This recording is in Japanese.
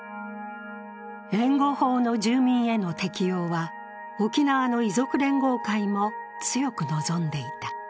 援護法の住民への適用は、沖縄の遺族連合会も強く望んでいた。